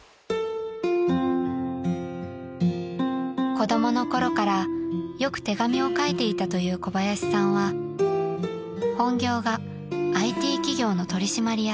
［子供のころからよく手紙を書いていたという小林さんは本業がＩＴ企業の取締役］